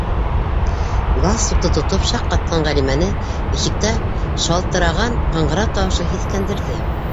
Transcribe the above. Галстукты тотоп шаҡ ҡатҡан Ғәлимәне ишектә шалтыраған ҡыңғырау тауышы һиҫкәндерҙе.